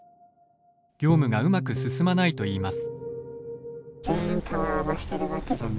業務がうまく進まないといいます。